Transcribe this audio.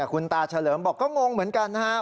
คุณตาเฉลิมบอกก็งงเหมือนกันนะครับ